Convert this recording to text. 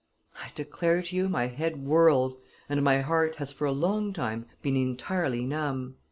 I declare to you, my head whirls and my heart has for a long time been entirely numb."